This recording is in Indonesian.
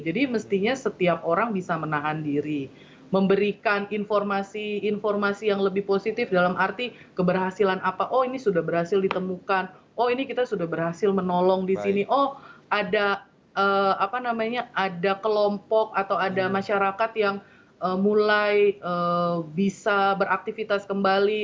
jadi mestinya setiap orang bisa menahan diri memberikan informasi informasi yang lebih positif dalam arti keberhasilan apa oh ini sudah berhasil ditemukan oh ini kita sudah berhasil menolong di sini oh ada kelompok atau ada masyarakat yang mulai bisa beraktivitas kembali